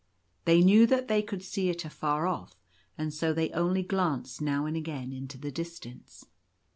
They knew that they could see it afar off, and so they only glanced now and again into the distance.